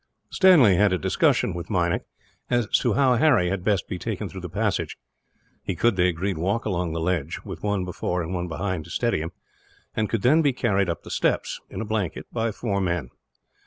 Stanley had a discussion, with Meinik, as to how Harry had best be taken through the passage. He could, they agreed, walk along the ledge, with one before and one behind to steady him; and could then be carried up the steps, in a blanket, by four men.